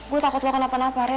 gue takut lo kenapa napa re